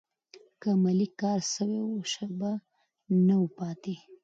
که عملي کار سوی و، شک به نه و پاتې.